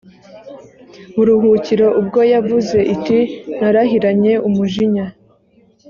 buruhukiro ubwo yavuze iti Narahiranye umujinya